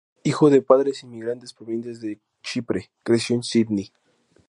Hijo de padres inmigrantes provenientes de Chipre, creció en Sídney.